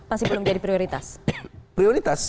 masih belum jadi prioritas prioritas